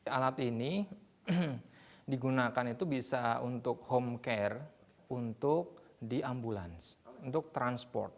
alat ini digunakan itu bisa untuk home care untuk di ambulans untuk transport